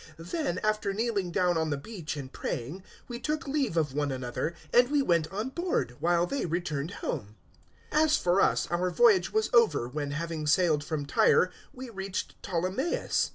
Then, after kneeling down on the beach and praying, 021:006 we took leave of one another; and we went on board, while they returned home. 021:007 As for us, our voyage was over when having sailed from Tyre we reached Ptolemais.